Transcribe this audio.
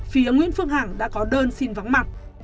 phía nguyễn phương hằng đã có đơn xin vắng mặt